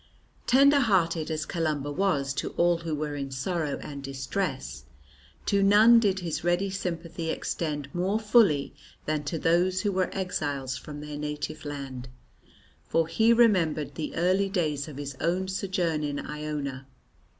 Tender hearted as Columba was to all who were in sorrow and distress, to none did his ready sympathy extend more fully than to those who were exiles from their native land, for he remembered the early days of his own sojourn in Iona.